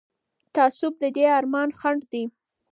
تعصب د دې ارمان خنډ دی